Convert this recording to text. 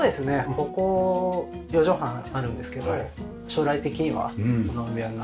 ここ４畳半あるんですけど将来的には子供部屋になる。